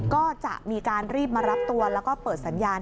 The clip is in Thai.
ก็จะมีการรีบมารับตัวแล้วก็เปิดสัญญาณ